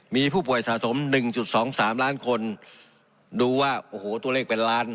มีผู้ป่วยสะสม๑๒๓ล้านคนดูว่าโอ้โหตัวเลขเป็นล้าน